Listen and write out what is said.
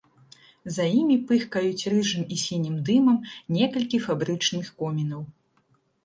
За імі пыхкаюць рыжым і сінім дымам некалькі фабрычных комінаў.